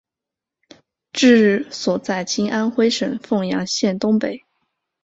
治所在今安徽省凤阳县东北。